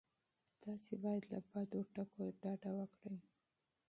تاسې باید له بدو الفاظو ډډه وکړئ.